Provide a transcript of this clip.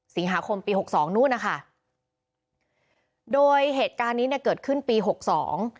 สิงหาคมปีหกสองนู่นนะคะโดยเหตุการณ์นี้เนี่ยเกิดขึ้นปีหกสอง